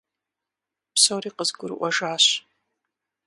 Псори къызгурыӀуэжащ.